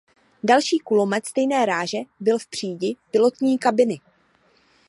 Další kulomet stejné ráže byl v přídi pilotní kabiny.